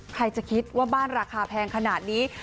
ใครจะคิดว่าบ้านราคาแพงขนาดนี้